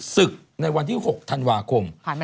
ศึกในวันที่๖ธันวาคม